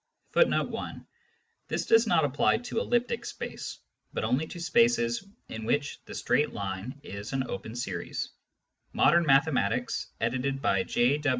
1 Now likeness is just as easily 1 This does not apply to elliptic space, but only to spaces in which the straight line is an open series. Modern Mathematics, edited by J.